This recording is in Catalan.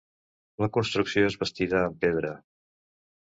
La construcció és bastida amb pedra.